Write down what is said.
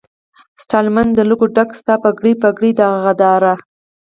ستالمن د لکو ډکه، ستا پګړۍ، پګړۍ داغداره